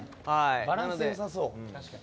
バランス良さそう。